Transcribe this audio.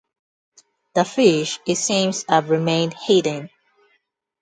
The fish, it seems, have remained hidden.